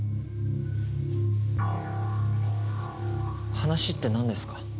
話って何ですか？